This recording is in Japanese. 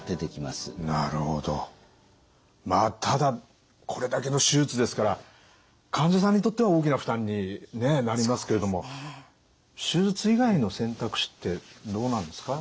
まあただこれだけの手術ですから患者さんにとっては大きな負担になりますけれども手術以外の選択肢ってどうなんですか？